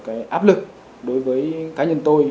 cái áp lực đối với cá nhân tôi